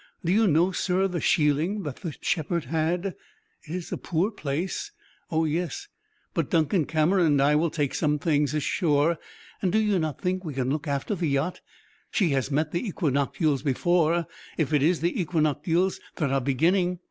Do you know, sir, the sheiling that the shepherd had? It is a poor place oh yes; but Duncan Cameron and I will take some things ashore. And do you not think we can look after the yacht? She has met the equinoctials before, if it is the equinoctials that are beginning.